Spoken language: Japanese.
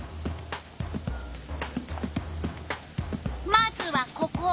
まずはここ！